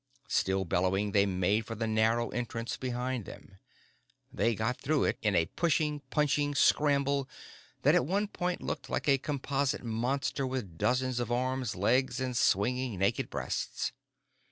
Still bellowing, they made for the narrow entrance behind them. They got through in a pushing, punching scramble that at one point looked like a composite monster with dozens of arms, legs and swinging, naked breasts.